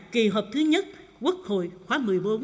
kỳ họp thứ nhất quốc hội khóa một mươi bốn